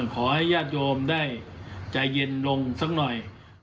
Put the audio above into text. ขอให้ญาติโยมได้ใจเย็นลงสักหน่อย